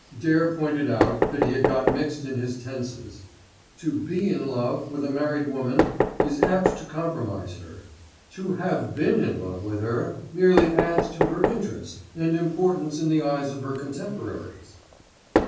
Dare pointed out that he had got mixed in his tenses. To be in love with a married woman is apt to compromise her: to have been in love with her, merely adds to her interest and importance in the eyes of her contemporaries.